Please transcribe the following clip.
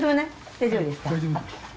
大丈夫です。